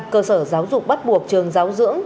cơ sở giáo dục bắt buộc trường giáo dưỡng